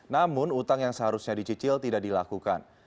namun utang yang seharusnya dicicil tidak dilakukan